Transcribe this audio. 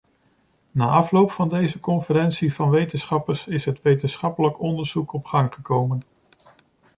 Na afloop van deze conferentie van wetenschappers is het wetenschappelijk onderzoek op gang gekomen.